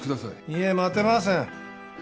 いえ待てません。